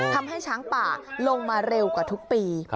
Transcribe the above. ทำให้ช้างป่าลงมาเร็วกว่าทุกปี